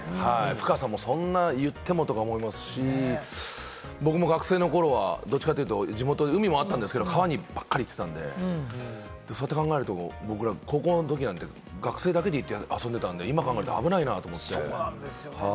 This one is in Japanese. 深さもそんな言ってもとか思いますし、僕も学生の頃はどっちかというと、地元に海はあったんですけれど、川にばっかり行っていたので、そうやって考えると、僕ら高校のとき、学生だけで行って遊んでたので、今、考えると危ないですよね。